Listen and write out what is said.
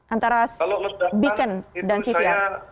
antara bikin dan cvr